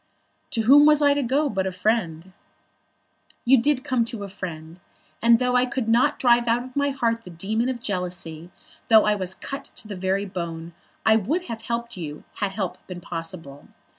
"To whom was I to go but to a friend?" "You did come to a friend, and though I could not drive out of my heart the demon of jealousy, though I was cut to the very bone, I would have helped you had help been possible.